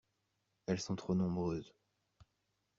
Elles sont trop nombreuses.